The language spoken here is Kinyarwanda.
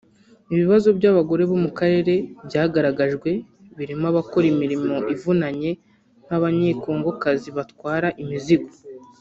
Ibibazo by’abagore bo mu karere byagaragajwe birimo abakora imirimo ivunanye nk’Abanyekongokazi batwara imizigo